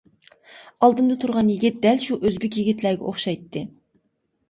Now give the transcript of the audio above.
ئالدىمدا تۇرغان يىگىت دەل شۇ ئۆزبېك يىگىتلەرگە ئوخشايتتى.